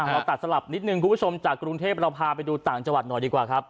เราตัดสลับนิดนึงคุณผู้ชมจากกรุงเทพเราพาไปดูต่างจังหวัดหน่อยดีกว่าครับ